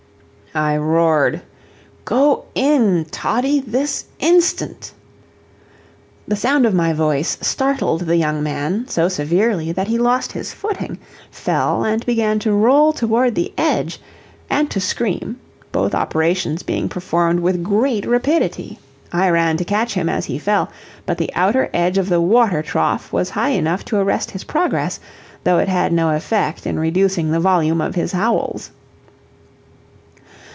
I roared "Go in, Toddie this instant!" The sound of my voice startled the young man so severely that he lost his footing, fell, and began to roll toward the edge and to scream, both operations being performed with great rapidity. I ran to catch him as he fell, but the outer edge of the water trough was high enough to arrest his progress, though it had no effect in reducing the volume of his howls.